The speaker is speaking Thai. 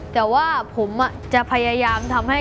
แต่ผมพยายามทำให้